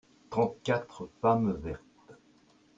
trente quatre femmes vertes.